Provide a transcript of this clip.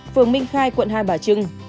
phường minh khai quận hai bà trưng